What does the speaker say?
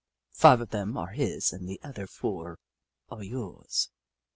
Five of them are his and the other four are yours.